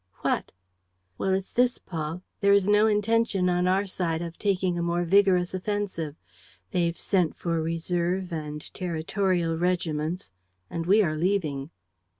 ..." "What?" "Well, it's this, Paul: there is no intention on our side of taking a more vigorous offensive. They've sent for reserve and territorial regiments; and we are leaving."